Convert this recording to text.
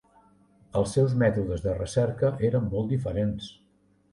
Els seus mètodes de recerca eren molt diferents.